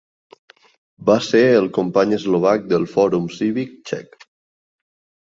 Va ser el company eslovac del Fòrum cívic Txec.